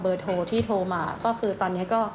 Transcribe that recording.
โทรที่โทรมาก็คือตอนนี้ก็